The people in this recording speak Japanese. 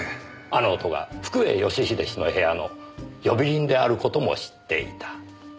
あの音が福栄義英氏の部屋の呼び鈴である事も知っていた。